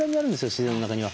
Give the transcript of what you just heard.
自然の中には。